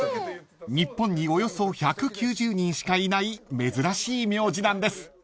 ［日本におよそ１９０人しかいない珍しい名字なんです］